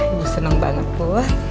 ibu seneng banget bu